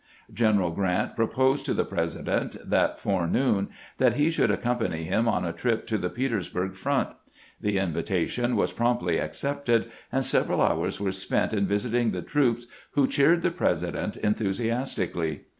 General Grant proposed to the President that fore noon that he should accompany him on a trip to the Petersburg front. The invitation was promptly accepted, and several hours were spent in visiting the troops, who cheered the President enthusiastically.